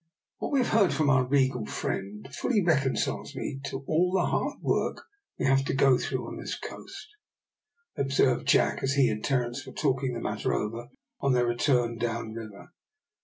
"What we have heard from our regal friend fully reconciles me to all the hard work we have to go through on this coast," observed Jack, as he and Terence were talking the matter over on their return down the river.